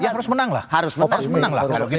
ya harus menang lah harus menang